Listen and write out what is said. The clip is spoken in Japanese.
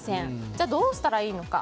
じゃあ、どうしたらいいのか。